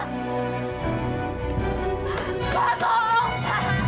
mas allah tolong pak